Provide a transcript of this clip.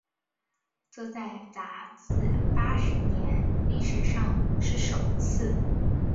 这在杂志八十年历史上是首次。